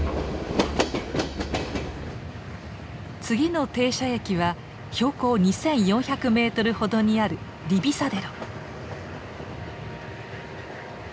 次の停車駅は標高２，４００メートルほどにあるディビサデロ。